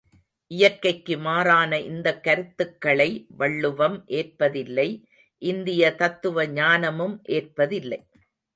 இயற்கைக்கு மாறான இந்தக் கருத்துக்களை வள்ளுவம் ஏற்பதில்லை இந்திய தத்துவ ஞானமும் ஏற்பதில்லை.